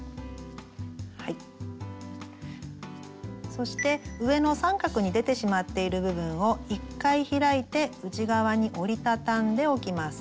そして上の三角に出てしまっている部分を１回開いて内側に折り畳んでおきます。